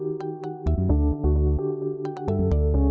yang ketiga bapak doni setiabudi